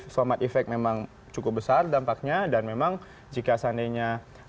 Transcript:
somat effect memang cukup besar dampaknya dan memang jika seandainya